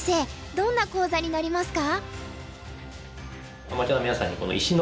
どんな講座になりますか？